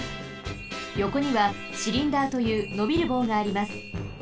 よこにはシリンダーというのびるぼうがあります。